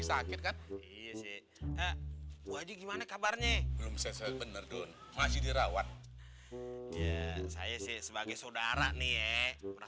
sampai jumpa di video selanjutnya